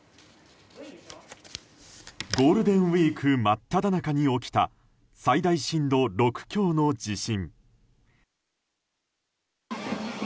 ゴールデンウィーク真っただ中に起きた最大震度６強の地震。